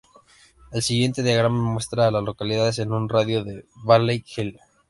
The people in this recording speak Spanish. El siguiente diagrama muestra a las localidades en un radio de de Valley Hill.